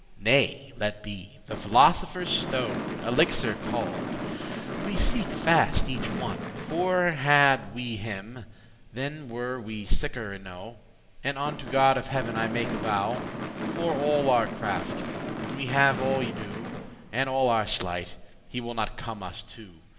nay, let be; the philosopher's stone, Elixir call'd, we seeke fast each one; For had we him, then were we sicker* enow; *secure But unto God of heaven I make avow,* *confession For all our craft, when we have all y do, And all our sleight, he will not come us to.